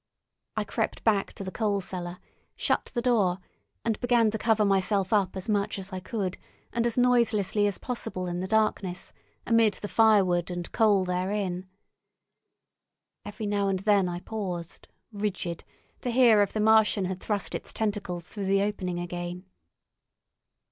I crept back to the coal cellar, shut the door, and began to cover myself up as much as I could, and as noiselessly as possible in the darkness, among the firewood and coal therein. Every now and then I paused, rigid, to hear if the Martian had thrust its tentacles through the opening again.